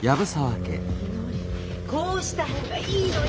みのりこうした方がいいのよ！